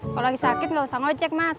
kalau lagi sakit nggak usah ngocek mas